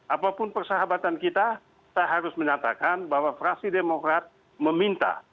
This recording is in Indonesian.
apapun persahabatan kita saya harus menyatakan bahwa frasidemokrat meminta